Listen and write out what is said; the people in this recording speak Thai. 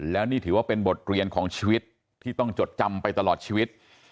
แล้วนี่ถือว่าเป็นบทเรียนของชีวิตที่ต้องจดจำไปตลอดชีวิต